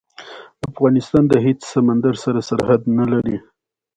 په افغانستان کې غرونه د خلکو د اعتقاداتو سره تړاو لري.